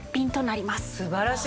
素晴らしい。